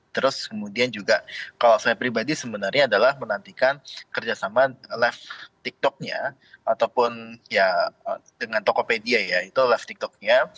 terus kemudian juga kalau saya pribadi sebenarnya adalah menantikan kerjasama live tiktoknya ataupun ya dengan tokopedia ya itu live tiktoknya